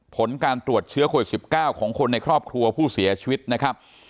ผลการตรวจเชื้อโควิด๑๙ของคนในครอบครัวผู้เสียชีวิตนะครับ